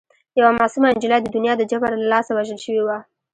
یوه معصومه نجلۍ د دنیا د جبر له لاسه وژل شوې وه